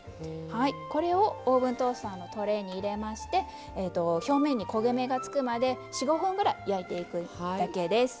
これをオーブントースターのトレーに入れまして表面に焦げ目がつくまで４５分ぐらい焼いていくだけです。